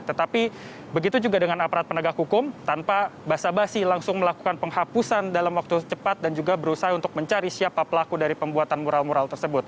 tetapi begitu juga dengan aparat penegak hukum tanpa basa basi langsung melakukan penghapusan dalam waktu cepat dan juga berusaha untuk mencari siapa pelaku dari pembuatan mural mural tersebut